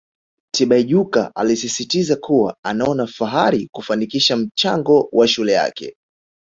Tibaijuka alisisitiza kuwa anaona fahari kufanikisha mchango wa shule yake